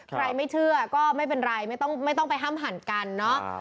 ไม่เชื่อก็ไม่เป็นไรไม่ต้องไปห้ามหันกันเนอะ